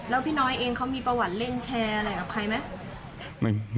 แล้วพี่น้อยเองเขามีประวัติเล่นแชร์อะไรกับใครไหม